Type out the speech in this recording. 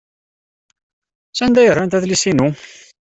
Sanda ay rrant adlis-inu?